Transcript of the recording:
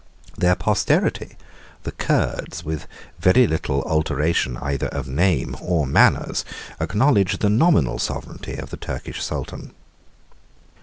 80 Their posterity, the Curds, with very little alteration either of name or manners, 801 acknowledged the nominal sovereignty of the Turkish sultan.